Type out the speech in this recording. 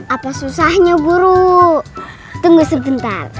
apa susahnya buruk tunggu sebentar